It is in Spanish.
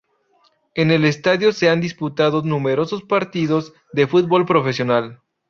En el estadio se han disputado numerosos partidos de fútbol profesional.